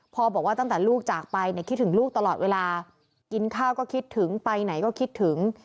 บอกว่าตั้งแต่ลูกจากไปเนี่ยคิดถึงลูกตลอดเวลากินข้าวก็คิดถึงไปไหนก็คิดถึง